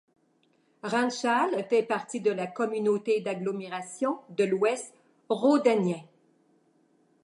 Ranchal fait partie de la communauté d'agglomération de l'Ouest Rhodanien.